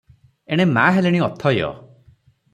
ଏଣେ ମା ହେଲେଣି ଅଥୟ ।